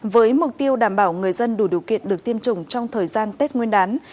với mục tiêu đảm bảo người dân đủ điều kiện được tiêm chủng trong thời gian tết nguyên đán